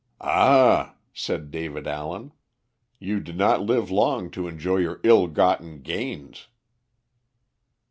"Ah," said David Allen, "you did not live long to enjoy your ill gotten gains."